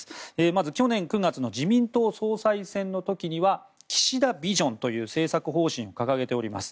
まず去年９月の自民党総裁選の時には岸田ビジョンという政策方針を掲げています。